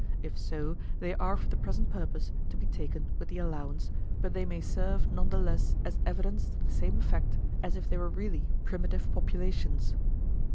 If so, they are for the present purpose to be taken with the allowance, but they may serve none the less as evidence to the same effect as if they were really "primitive" populations.